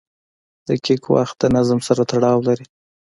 • دقیق وخت د نظم سره تړاو لري.